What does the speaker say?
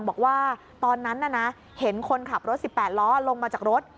บอกว่าตอนนั้นน่ะนะเห็นคนขับรถ๑๘ล้อลงมาจากรถ